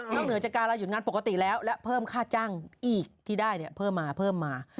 น้องเหนือจักรรายหยุดงานปกติแล้วแล้วเพิ่มค่าจ้างอีกที่ได้เนี่ยเพิ่มมาเพิ่มมา